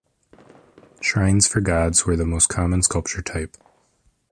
Shrines for gods were the most common sculpture type.